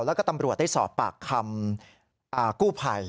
แล้วก็ตำรวจได้สอบปากคำกู้ภัย